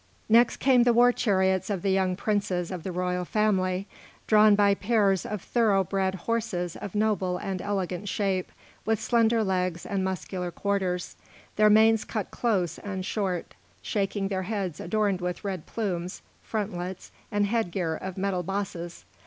Next came the war chariots of the young princes of the royal family, drawn by pairs of thorough bred horses of noble and elegant shape, with slender legs and muscular quarters, their manes cut close and short, shaking their heads adorned with red plumes, frontlets, and headgear of metal bosses.